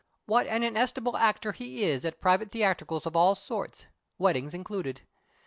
What an inestimable actor he is at private theatricals of all sorts (weddings included)!